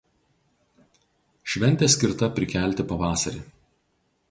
Šventė skirta prikelti pavasarį.